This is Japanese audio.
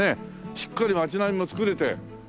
しっかり町並みも作れて。